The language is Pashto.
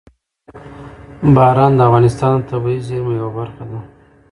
باران د افغانستان د طبیعي زیرمو یوه برخه ده.